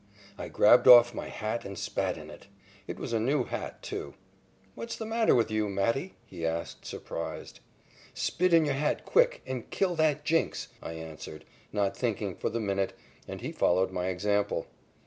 I grabbed off my hat and spat in it. It was a new hat, too. "What's the matter with you, Matty?" he asked, surprised. "Spit in your hat quick and kill that jinx," I answered, not thinking for the minute, and he followed my example.